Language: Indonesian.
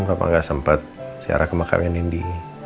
papa gak sempet siarah ke makamnya nindi